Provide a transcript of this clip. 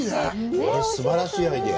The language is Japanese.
すばらしいアイデア。